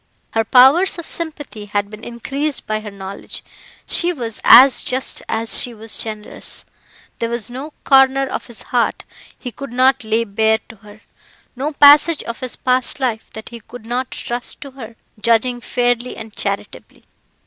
Her powers of sympathy had been increased by her knowledge; she was as just as she was generous. There was no corner of his heart he could not lay bare to her; no passage of his past life that he could not trust to her judging fairly and charitably.